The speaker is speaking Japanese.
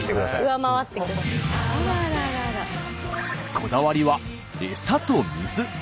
こだわりは餌と水。